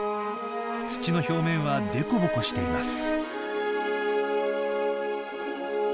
土の表面はでこぼこしています。